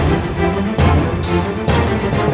tidak mungkin vietnam